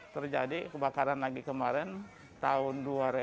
terjadi kebakaran lagi kemarin tahun dua ribu dua